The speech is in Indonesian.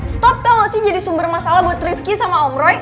stop tau nggak sih jadi sumber masalah buat rifqi sama om roy